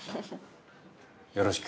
よろしく。